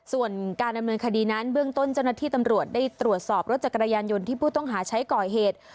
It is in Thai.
ส่วนการดำเนินคดีนั้นเบื้องต้นเจ้าหน้าที่ตำรวจได้ตรวจสอบรถจักรยานยนต์ที่ผู้ต้องหาใช้ก่อเหตุ